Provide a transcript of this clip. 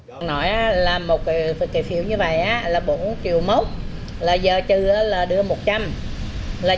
tôi nói là một kỷ phiếu như vậy là bốn triệu mốc là giờ trừ là đưa một trăm linh